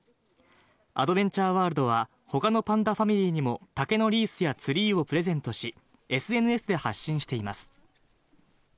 アドベンチャーワールドは、ほかのパンダファミリーにも、竹のリースやツリーをプレゼントし、ＳＮＳで発信しています。